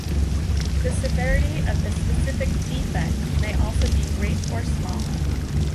The severity of the specific defect may also be great or small.